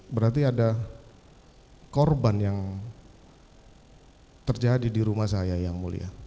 berarti ada korban yang terjadi di rumah saya yang mulia